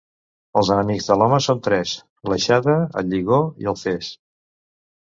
Els enemics de l'home són tres: l'aixada, el lligó i el fes.